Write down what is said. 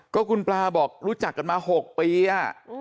ก็คุณปลาบอกรู้จักกันมา๖ปีอ่ะ